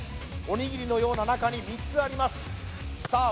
おにぎりのような中に３つありますさあ